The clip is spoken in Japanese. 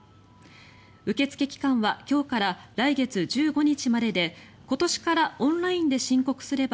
受け付け期間は今日から来月１５日までで今年からオンラインで申告すれば